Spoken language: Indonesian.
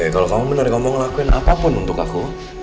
kalau kamu benar kamu ngelakuin apapun untuk aku